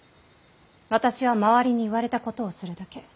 私は周りに言われたことをするだけ。